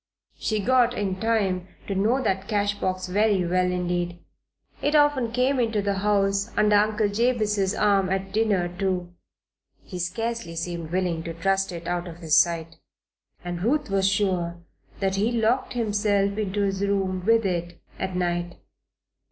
She got in time to know that cash box very well indeed. It often came into the house under Uncle Jabez's arm at dinner, too. He scarcely seemed willing to trust it out of his sight. And Ruth was sure that he locked himself into his room with it at night.